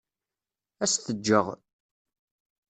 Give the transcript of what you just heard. Ad s-t-ǧǧeɣ.